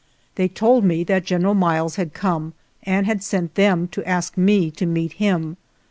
They told me that General Miles had come and had sent them to ask me to meet him.